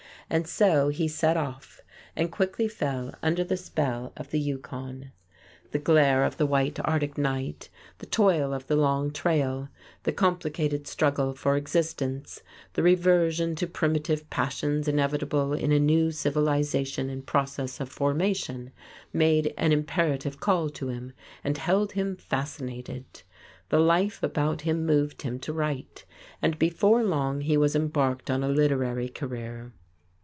And so he set off, and quickly fell under the spell of the Yukon. The glare of the white Arctic night, the toil of the long trail, the complicated struggle for existence, the reversion to primitive passions inevitable in a new civilization in process of formation, made an imperative call to him, and held him fascinated. The life about him moved him to write, and before long he was embarked on a literary career.